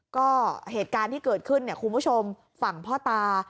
ก็เหตุการณ์ที่เกิดขึ้นเนี่ยคุณผู้ชมฝั่งพ่อตา